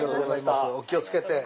お気を付けて。